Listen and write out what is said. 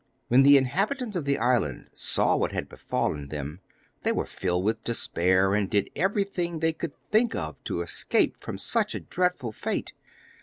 When the inhabitants of the island saw what had befallen them, they were filled with despair, and did everything they could think of to escape from such a dreadful fate.